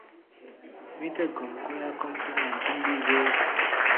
Mí tɛ́ gɔm kɔ́yá kɔ́ʼm tɛ́ ŋma mbímbí-zér.